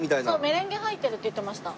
メレンゲ入ってるって言ってました。